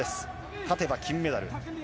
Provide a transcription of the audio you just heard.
勝てば金メダル。